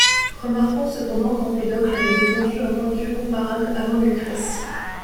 Remarquons cependant qu'Empédocle avait défendu un point de vue comparable avant Lucrèce.